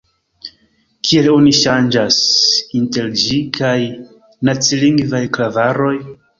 Kiel oni ŝanĝas inter ĝi kaj nacilingvaj klavaroj?